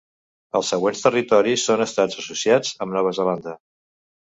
Els següents territoris són estats associats amb Nova Zelanda.